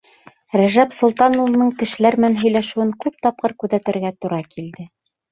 Рәжәп Солтан улының кешеләр менән һөйләшеүен күп тапҡыр күҙәтергә тура килде.